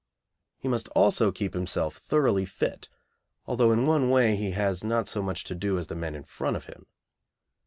He must also keep himself thoroughly fit, although in one way he has not so much to do as the men in front of him.